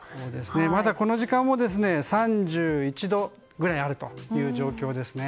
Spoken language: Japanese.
まだ、この時間も３１度ぐらいあるという状況ですね。